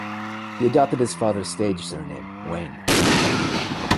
He adopted his father's stage surname, Wayne.